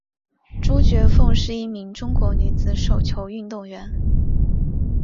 朱觉凤是一名中国女子手球运动员。